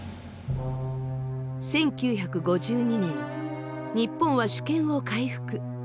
１９５２年日本は主権を回復。